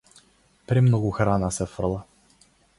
Премногу храна се фрла.